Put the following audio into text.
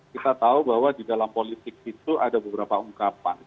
kita tahu bahwa di dalam politik itu ada beberapa ungkapan